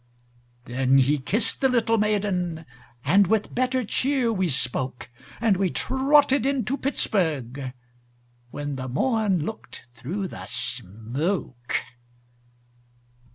Then he kissed the little maiden, And with better cheer we spoke, And we trotted into Pittsburg, When the morn looked through the smoke.